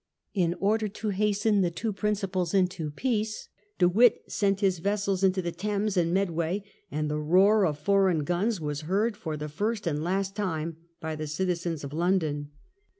In order to hasten the English into peace de Witt sent his vessels into the Thames and Medway, and " the roar of foreign guns was heard for the first and last time by the citizens of London